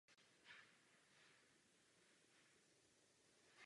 Komise navrhla zrušení předmětů finských dějin a zavedení ruských dějin a ruského zeměpisu.